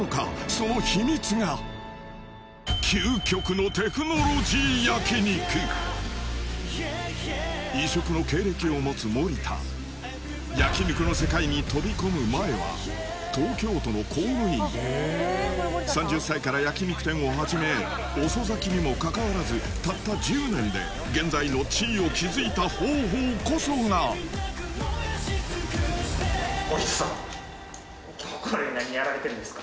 その秘密が異色の経歴を持つ森田焼肉の世界に飛び込む前は３０歳から焼肉店を始め遅咲きにもかかわらずたった１０年で現在の地位を築いた方法こそが森田さんこれ何やられてるんですか？